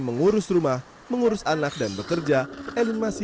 mending langsung pakai ini aja